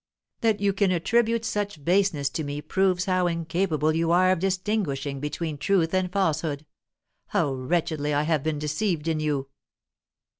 "That you can attribute such baseness to me proves how incapable you are of distinguishing between truth and falsehood. How wretchedly I have been deceived in you!"